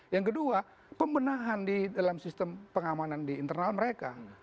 yang kedua pembenahan di dalam sistem pengamanan di internal mereka